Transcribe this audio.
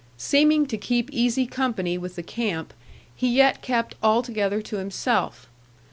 Seeming to keep easy company with the camp, he yet kept altogether to himself.